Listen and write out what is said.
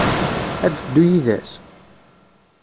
Ad d-teddu yid-s?